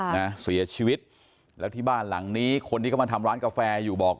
นะเสียชีวิตแล้วที่บ้านหลังนี้คนที่เขามาทำร้านกาแฟอยู่บอก